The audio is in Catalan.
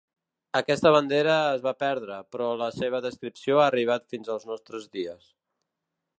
Aquesta bandera es va perdre, però la seva descripció ha arribat fins als nostres dies.